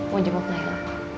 mau jemput naila